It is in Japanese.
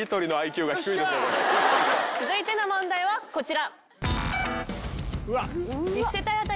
続いての問題はこちら。